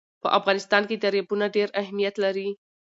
په افغانستان کې دریابونه ډېر اهمیت لري.